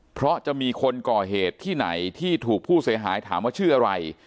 เพราะจะมีคนก่อเหตุที่ไหนที่ถูกผู้เสียหายถามว่าชื่ออะไร